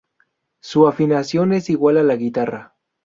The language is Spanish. Su afinación es igual a la guitarra.